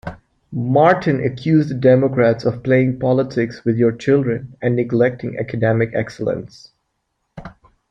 Martin accused the Democrats of "playing politics with your children" and "neglecting academic excellence.